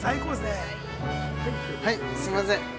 ◆はい、すいません。